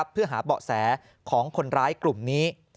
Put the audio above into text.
เพื่อหาเบาะแสของคนร้ายกลุ่มนี้